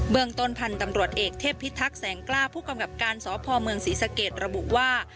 เมืองต้นพันธุ์ตำรวจเอกเทพพิทักษ์แสงกล้าผู้กำกับการสพเมืองศรีสะเกดระบุว่า